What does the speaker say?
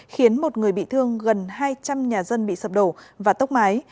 khiến một người bị thương gần hai trăm linh nhà dân bị sập đổ và tốc mái